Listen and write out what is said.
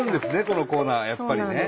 このコーナーはやっぱりね。